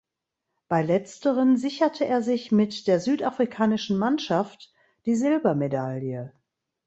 Bei letzteren sicherte er sich mit der südafrikanischen Mannschaft die Silbermedaille.